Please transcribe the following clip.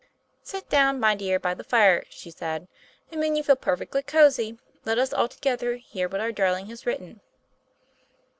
"Sit down, my dear, by the fire," she said, "and when you feel perfectly cosy, let us all together hear what our darling has written."